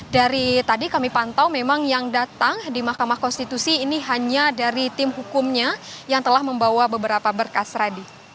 jadi tadi kami pantau memang yang datang di mahkamah konstitusi ini hanya dari tim hukumnya yang telah membawa beberapa berkas radi